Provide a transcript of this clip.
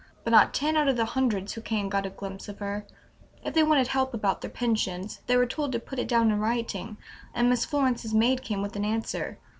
But not ten out of the hundreds who came got a glimpse of her. If they wanted help about their pensions, they were told to put it down in writing, and Miss Florence's maid came with an answer.